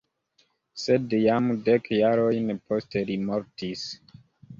Sed jam dek jarojn poste li mortis.